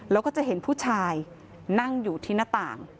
แล้วก็จะเห็นผู้ชายนั่งอยู่ที่หน้าต่าง